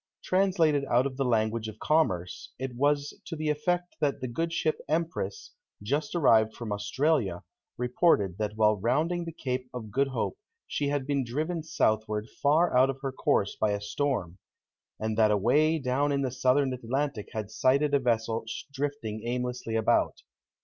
Translated out of the language of commerce, it was to the effect that the good ship Empress, just arrived from Australia, reported that while rounding the Cape of Good Hope she had been driven southward far out of her course by a storm; and that away down in the Southern Atlantic had sighted a vessel drifting aimlessly about.